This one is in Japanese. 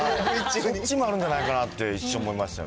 そっちもあるんじゃないかって一瞬思いました。